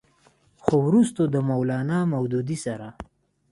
خو وروستو د مولانا مودودي سره